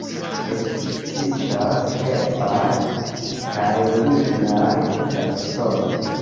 Ekzistas herbaj kaj lignaj taksonoj.